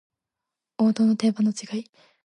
王道と定番の違い